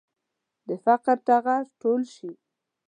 د فقر ټغر ټول شي.